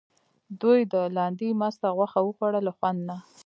دوی د لاندي مسته غوښه وخوړه له خوند نه.